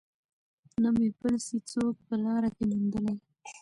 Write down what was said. نه مي پل سي څوک په لاره کي میندلای